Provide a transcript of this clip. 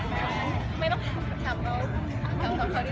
แม่กับผู้วิทยาลัย